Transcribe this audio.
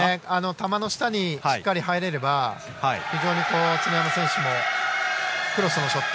球の下にしっかり入れれば非常に常山選手もクロスのショット